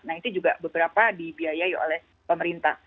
nah itu juga beberapa dibiayai oleh pemerintah